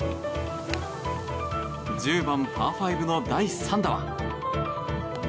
１０番、パー５の第３打は。